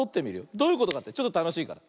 どういうことかってちょっとたのしいから。